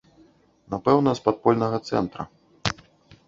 Напэўна, з падпольнага цэнтра.